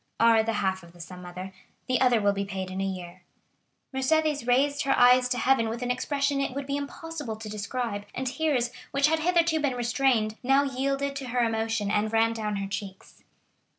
"Are the half of the sum, mother; the other will be paid in a year." Mercédès raised her eyes to heaven with an expression it would be impossible to describe, and tears, which had hitherto been restrained, now yielded to her emotion, and ran down her cheeks.